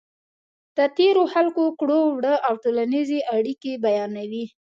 د تېرو خلکو کړو وړه او ټولنیزې اړیکې بیانوي.